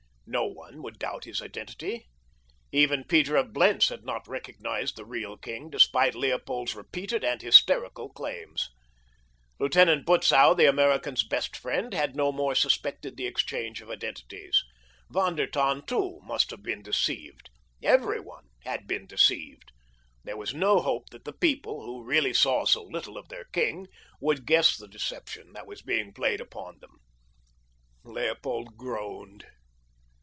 No one would doubt his identity. Even Peter of Blentz had not recognized the real king despite Leopold's repeated and hysterical claims. Lieutenant Butzow, the American's best friend, had no more suspected the exchange of identities. Von der Tann, too, must have been deceived. Everyone had been deceived. There was no hope that the people, who really saw so little of their king, would guess the deception that was being played upon them. Leopold groaned.